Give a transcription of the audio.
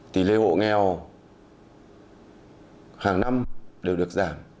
tỷ lệ hộ nghèo hàng năm đều được giảm